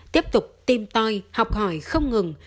tiếp tục tìm toi học hỏi không ngừng